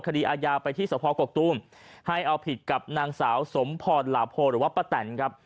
คดีอาญาไปที่สภกกตูมให้เอาผิดกับนางสาวสมพรหลาโพหรือว่าป้าแตนครับ